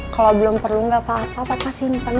kalau belum perlu enggak apa apa papa simpen